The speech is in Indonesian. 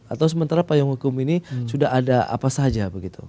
atau sementara payung hukum ini sudah ada apa saja begitu